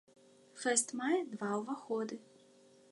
Фэст мае два ўваходы.